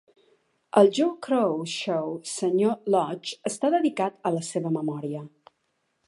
El Joe Crow Shoe Sr. Lodge està dedicat a la seva memòria.